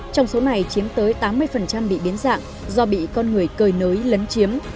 trong số này chiếm tới tám mươi bị biến dạng do bị con người cơi nới lấn chiếm